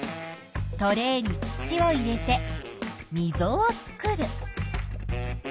トレーに土を入れてみぞを作る。